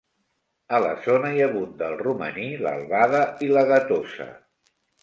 A la zona hi abunda el romaní, l'albada i la gatosa.